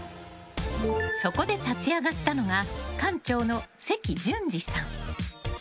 そこで立ち上がったのが館長の関純治さん。